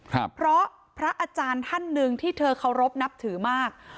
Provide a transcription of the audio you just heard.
เพราะพระอาจารย์ท่านหนึ่งที่เธอเคารพนับถือมาก